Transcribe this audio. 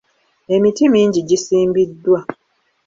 Emiti mingi gisimbiddwa.